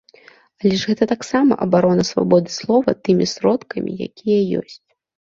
Але ж гэта таксама абарона свабоды слова тымі сродкамі, якія ёсць.